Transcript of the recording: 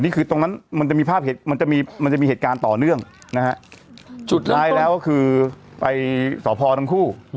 ตรงนั้นคือตรงนั้นมันจะมีภาพเหตุมันจะมีมันจะมีเหตุการณ์ต่อเนื่องนะฮะสุดท้ายแล้วก็คือไปสพทั้งคู่